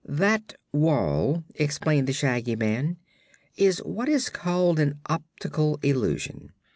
"That wall," explained the Shaggy Man, "is what is called an optical illusion.